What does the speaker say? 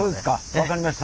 分かりました。